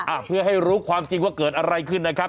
อ่ะเพื่อให้รู้ความจริงว่าเกิดอะไรขึ้นนะครับ